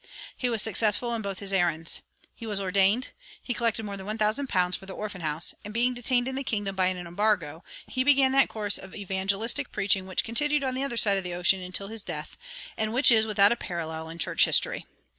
He was successful in both his errands. He was ordained; he collected more than one thousand pounds for the orphan house; and being detained in the kingdom by an embargo, he began that course of evangelistic preaching which continued on either side of the ocean until his death, and which is without a parallel in church history.